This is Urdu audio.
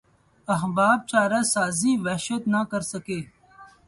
احباب چارہ سازی وحشت نہ کر سکے